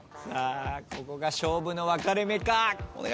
ここが勝負の分かれ目か？